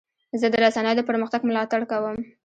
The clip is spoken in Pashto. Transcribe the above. زه د رسنیو د پرمختګ ملاتړ کوم.